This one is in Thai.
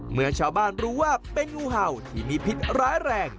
เมื่อชาวบ้านรู้ว่าเป็นงูเห่าที่มีพิษร้ายแรง